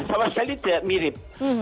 sama sekali tidak mirip